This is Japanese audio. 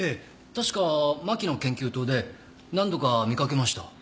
確か真木の研究棟で何度か見かけました。